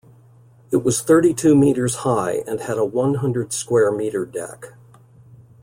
It was thirty-two meters high, and had a one-hundred square meter deck.